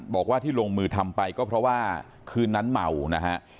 บอกว่าที่ลงมือทำไปก็เพราะว่าคืนนั้นเมานะฮะ